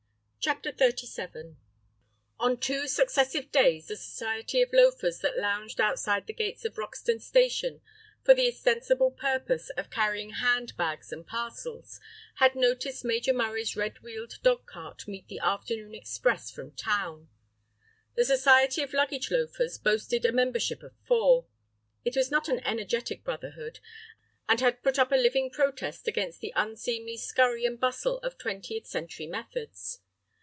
CHAPTER XXXVII On two successive days the society of loafers that lounged outside the gates of Roxton station for the ostensible purpose of carrying hand bags and parcels, had noticed Major Murray's red wheeled dog cart meet the afternoon express from town. The society of luggage loafers boasted a membership of four. It was not an energetic brotherhood, and had put up a living protest against the unseemly scurry and bustle of twentieth century methods.